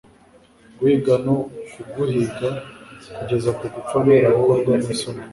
Guhiga no kuguhiga kugeza gupfa no gukorwa nisoni